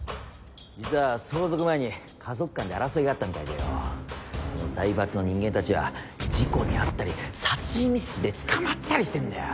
実は相続前に家族間で争いがあったみたいでよぉその財閥の人間たちは事故に遭ったり殺人未遂で捕まったりしてんだよ。